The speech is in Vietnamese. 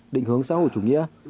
định hướng xã hội chủ nghĩa